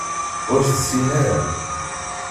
Ur tessin ara.